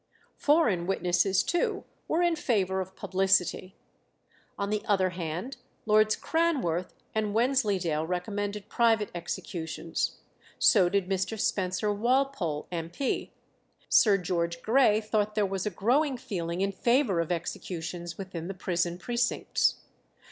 Foreign witnesses, too, were in favour of publicity. On the other hand, Lords Cranworth and Wensleydale recommended private executions; so did Mr. Spencer Walpole, M.P. Sir George Grey thought there was a growing feeling in favour of executions within the prison precincts.